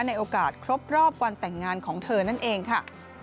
ในโอกาสครบรอบวันแต่งงานของเธอนั่นเองค่ะ